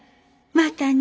またね。